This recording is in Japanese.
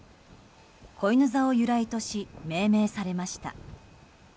小犬座を由来とし命名されました。